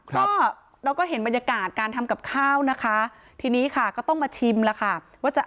ก็เราก็เห็นบรรยากาศการทำกับข้าวนะคะทีนี้ค่ะก็ต้องมาชิมแล้วค่ะว่าจะ